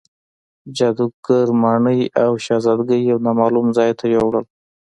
جادوګر ماڼۍ او شهزادګۍ یو نامعلوم ځای ته یووړل.